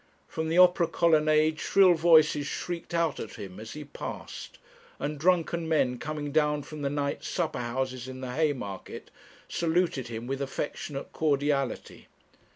From the Opera Colonnade shrill voices shrieked out at him as he passed, and drunken men coming down from the night supper houses in the Haymarket saluted him with affectionate cordiality.